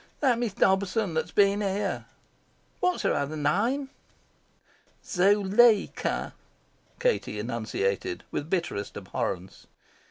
"That Miss Dobson that's been here." "What's her other name?" "Zuleika," Katie enunciated with bitterest abhorrence.